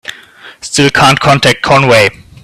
Still can't contact Conway.